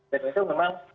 dan itu memang